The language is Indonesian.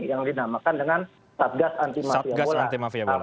yang dinamakan dengan satgas anti mafia bola